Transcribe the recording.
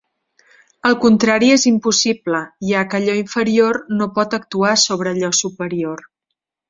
Al contrari és impossible, ja que allò inferior no pot actuar sobre allò superior.